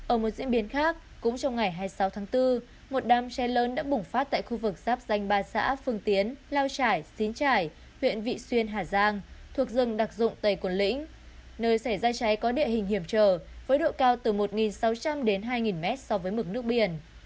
ở một diễn biến khác cũng trong ngày hai mươi sáu tháng bốn một đám cháy lớn đã bùng phát tại khu vực giáp danh ba xã phương tiến lao trải xín trải huyện vị xuyên hà giang thuộc rừng đặc dụng tây quân lĩnh nơi xảy ra cháy có địa hình hiểm trở với độ cao từ một sáu trăm linh đến hai mét so với mực nước biển